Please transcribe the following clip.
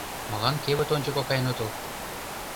Молан кевыт ончыко каен отыл?